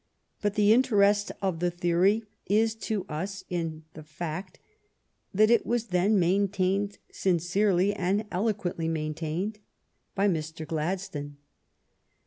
But the interest of the theory is to us in the fact that it was then maintained, sincerely and eloquently maintained, by Mr. Gladstone.